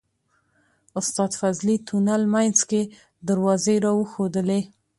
استاد فضلي تونل منځ کې دروازې راوښودلې.